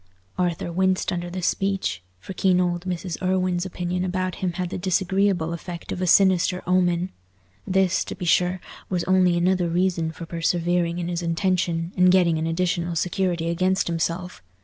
Arthur winced under this speech, for keen old Mrs. Irwine's opinion about him had the disagreeable effect of a sinister omen. This, to be sure, was only another reason for persevering in his intention, and getting an additional security against himself.